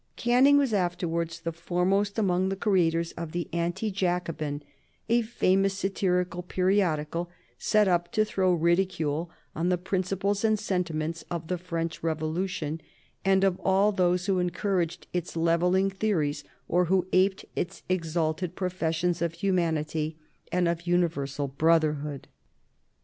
Canning was afterwards the foremost among the creators of the Anti Jacobin, a famous satirical periodical set up to throw ridicule on the principles and sentiments of the French Revolution, and of all those who encouraged its levelling theories or who aped its exalted professions of humanity and of universal brotherhood.